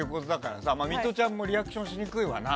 ミトちゃんもリアクションしにくいわな。